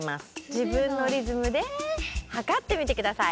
じぶんのリズムではかってみてください。